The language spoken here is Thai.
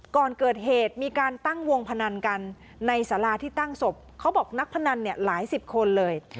ก่อนเกิดเหตุมีการตั้งวงพนันกันในสาราที่ตั้งศพเขาบอกนักพนันเนี่ยหลายสิบคนเลย